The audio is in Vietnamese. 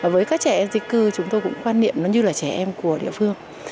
với các trẻ em di cư chúng tôi cũng quan niệm nó như là trẻ em của địa phương